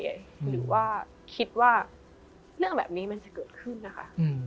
หรือว่าคิดว่าเรื่องแบบนี้มันจะเกิดขึ้นนะคะ